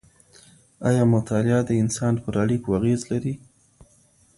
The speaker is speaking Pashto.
ایا مطالعه د انسان پر اړیکو اغېز لري؟